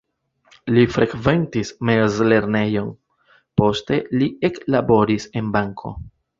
Li frekventis mezlernejon, poste li eklaboris en banko.